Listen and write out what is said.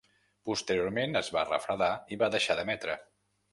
Posteriorment es va refredar i va deixar d'emetre.